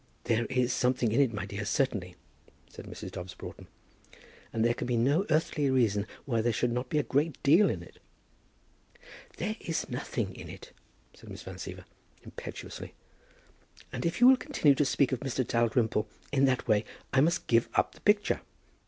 "There is something in it, my dear, certainly," said Mrs. Dobbs Broughton; "and there can be no earthly reason why there should not be a great deal in it." "There is nothing in it," said Miss Van Siever, impetuously; "and if you will continue to speak of Mr. Dalrymple in that way, I must give up the picture."